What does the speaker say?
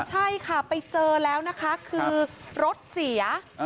ใช่ค่ะไปเจอแล้วนะคะคือรถเสีย